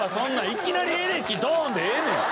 いきなりエレキドーンでええねん。